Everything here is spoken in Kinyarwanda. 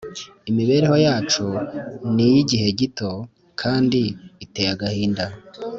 Imibereho yacu ni iy’igihe gito kandi iteye agahinda,